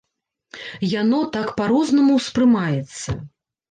Яно так па-рознаму ўспрымаецца.